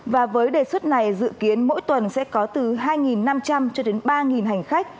và với đề xuất này dự kiến mỗi tuần sẽ có từ hai năm trăm linh cho đến ba hành khách